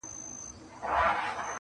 څوک چي وبا نه مني توره بلا نه مني!.